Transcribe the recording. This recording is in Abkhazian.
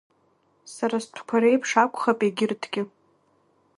Сара стәқәа реиԥш акәхап егьырҭгьы.